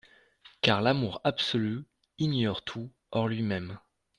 Car l’amour absolu ignore tout ; hors lui-même.